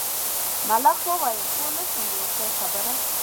ملخ وویل پوه نه شوم د هوسۍ خبره.